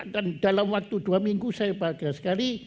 dan dalam waktu dua minggu saya bahagia sekali